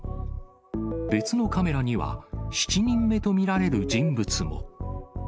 別のカメラには、７人目と見られる人物も。